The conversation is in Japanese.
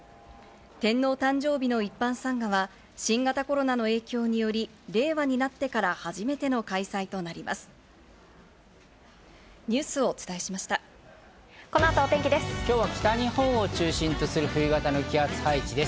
天皇誕生日の一般参賀は新型コロナの影響により、令和になってから初めての開催となります。